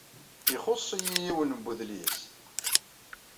Ixuṣṣ-iyi yiwen n wedlis!